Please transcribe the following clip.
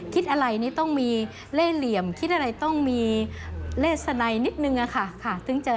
คิดอะไรนี่ต้องมีเล่เหลี่ยมคิดอะไรต้องมีเลศนัยนิดหนึ่ง